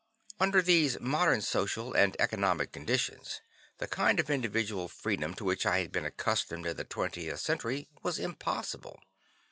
Under these modern social and economic conditions, the kind of individual freedom to which I had been accustomed in the 20th Century was impossible.